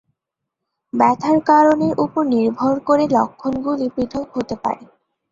ব্যথার কারণের উপর নির্ভর করে লক্ষণগুলি পৃথক হতে পারে।